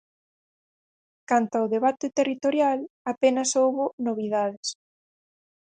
Canto ao debate territorial, apenas houbo novidades.